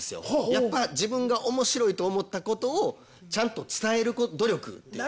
やっぱ自分が面白いと思ったことをちゃんと伝える努力っていうか。